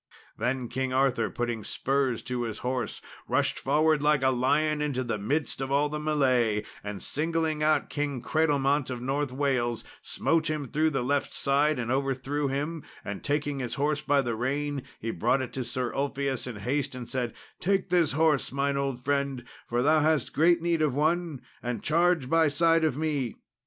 Then King Arthur, putting spurs to his horse, rushed forward like a lion into the midst of all the mêlée, and singling out King Cradlemont of North Wales, smote him through the left side and overthrew him, and taking his horse by the rein he brought it to Sir Ulfius in haste and said, "Take this horse, mine old friend, for thou hast great need of one, and charge by side of me."